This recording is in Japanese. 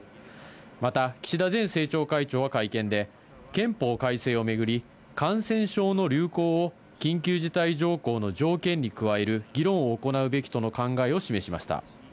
また岸田前政調会長は会見で、憲法改正を巡り、感染症の流行を緊急事態条項の条件に加える議論を行うべきとの考えを示しました。